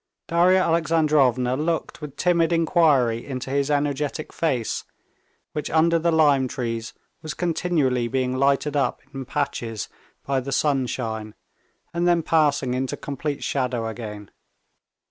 Darya Alexandrovna looked with timid inquiry into his energetic face, which under the lime trees was continually being lighted up in patches by the sunshine, and then passing into complete shadow again.